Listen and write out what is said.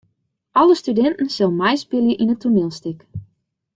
Alle studinten sille meispylje yn it toanielstik.